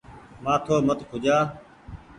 مآٿو مت کوجآ۔